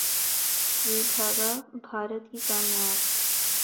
’سوئی دھاگہ‘ بھارت کی کامیاب